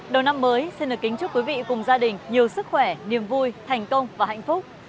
đầu năm mới xin được kính chúc quý vị cùng gia đình nhiều sức khỏe niềm vui thành công và hạnh phúc